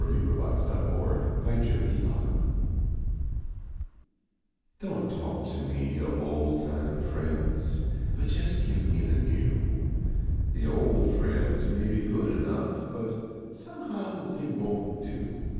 I.IKE THE NEW FRIENDS BEST Don t talk to me o old time friends. But jes give me the new. The old friends may be good enough, But somehow they won t do.